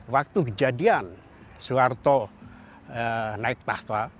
waktu kejadian soeharto naik tahwa